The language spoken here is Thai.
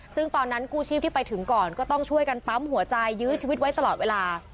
ซึ่งตอนนั้นกู้ชีพที่ไปถึงก่อนก็ต้องช่วยกันปั๊มหัวใจยื้อชีวิตไว้ตลอดเวลา